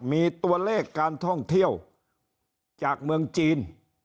มีตัวเลขการท่องเที่ยวจากเมืองจีน